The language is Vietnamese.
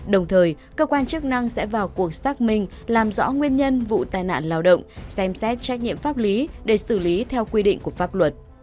đồng thời cơ quan chức năng sẽ vào cuộc xác minh làm rõ nguyên nhân vụ tai nạn lao động xem xét trách nhiệm pháp lý để xử lý theo quy định của pháp luật